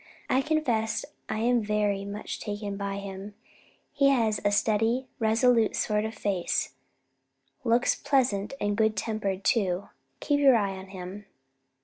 I confess I am very much taken with him. He has a steady, resolute sort of face; looks pleasant and good tempered, too. Keep your eye upon him."